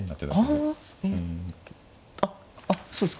あっそうですか。